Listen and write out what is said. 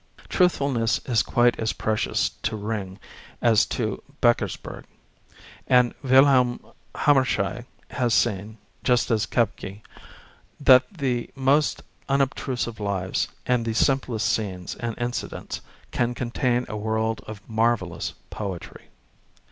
Truthfulness is quite as precious 37 to Ring as to Bckersberg, and Vilhelm Hammershei has seen, just as Kebke, that the most unobtrusive lives and the simplest scenes and incidents can contain a world of marvellous poetry.